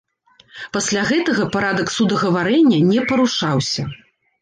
Пасля гэтага парадак судагаварэння не парушаўся.